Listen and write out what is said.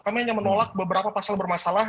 kami hanya menolak beberapa pasal bermasalah